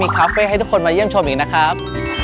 คาเฟ่ให้ทุกคนมาเยี่ยมชมอีกนะครับ